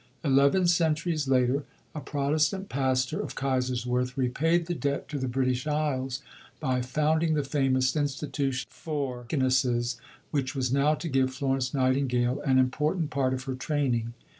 Eleven centuries later, a Protestant pastor of Kaiserswerth repaid the debt to the British Isles by founding the famous Institution for Deaconesses which was now to give Florence Nightingale an important part of her training.